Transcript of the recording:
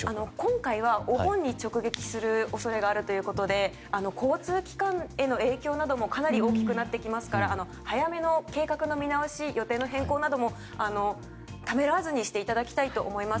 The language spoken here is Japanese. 今回はお盆に直撃する恐れがあるということで交通機関への影響などもかなり大きくなってきますから早めの計画の見直し予定の変更などもためらわずにしていただきたいと思います。